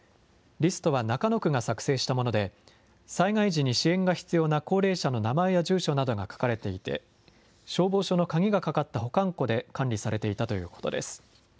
リストは中野区が作成したもので、災害時に支援が必要な高齢者の名前や住所などが書かれていて、消防署の鍵がかかった保管庫で管理されていたということです。